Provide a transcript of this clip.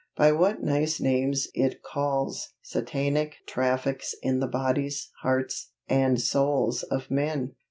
By what nice names it calls Satanic traffics in the bodies, hearts, and souls of men!